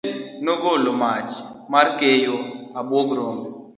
Migao mar thieth nogolo wach mar keyo abuog rombe.